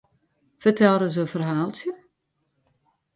Fertel ris in ferhaaltsje?